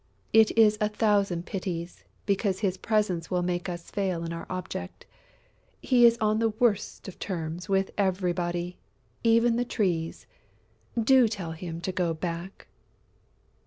It is a thousand pities, because his presence will make us fail in our object. He is on the worst of terms with everybody, even the Trees. Do tell him to go back!"